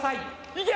いけ！